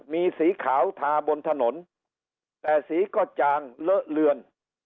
มีสีขาวทาบนถนนแต่สีก็จางเลอะเลือน